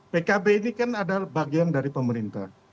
pkb ini kan adalah bagian dari pemerintah